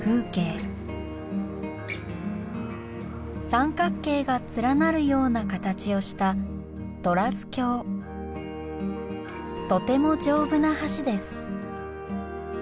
三角形が連なるような形をしたとてもじょうぶな橋です。